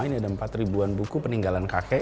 ini ada empat ribuan buku peninggalan kakek